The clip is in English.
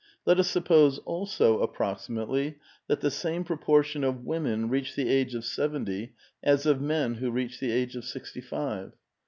Let us suppose also, approximately, that the same proportion of women reach the age of seventy as of men who reach the age of sixty five.